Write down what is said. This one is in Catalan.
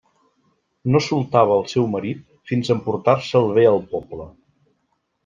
No soltava el seu marit fins a emportar-se'l bé al poble.